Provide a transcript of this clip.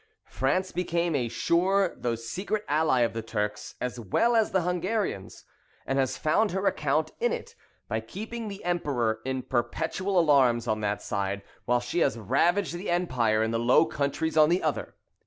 France became a sure though secret ally of the Turks, as well as the Hungarians, and has found her account in it, by keeping the emperor in perpetual alarms on that side, while she has ravaged the Empire and the Low Countries on the other."